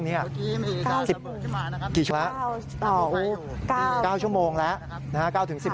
เมื่อกี้มีการระเบิดขึ้นมานะครับ